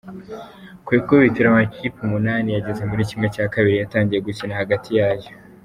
Ku ikubitiro amakipe umunani yageze muri ½ yatangiye gukina hagati yayo.